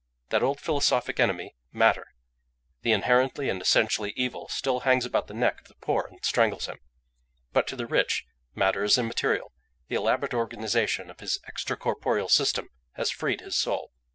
That old philosophic enemy, matter, the inherently and essentially evil, still hangs about the neck of the poor and strangles him: but to the rich, matter is immaterial; the elaborate organisation of his extra corporeal system has freed his soul.